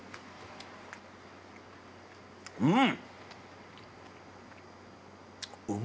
うん！